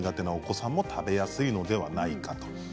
なお子さんも食べやすいのではないかと。